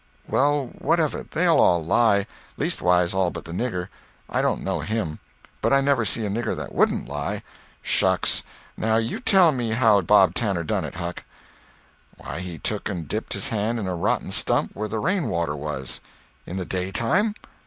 "Well, what of it? They'll all lie. Leastways all but the nigger. I don't know him. But I never see a nigger that wouldn't lie. Shucks! Now you tell me how Bob Tanner done it, Huck." "Why, he took and dipped his hand in a rotten stump where the rain water was." "In the daytime?"